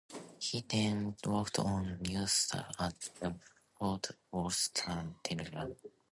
He then worked on the news staff at the Fort Worth Star-Telegram.